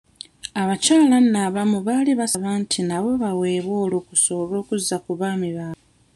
Abakyala nno abamu baali basaba nti nabo baweebwe olukusa olw'okuzza ku abaami baabwe.